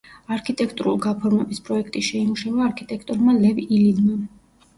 არქიტექტურულ გაფორმების პროექტი შეიმუშავა არქიტექტორმა ლევ ილინმა.